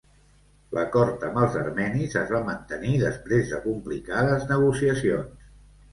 L'acord amb els armenis es va mantenir després de complicades negociacions.